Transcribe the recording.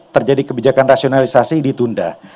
terjadi kebijakan rasionalisasi ditunda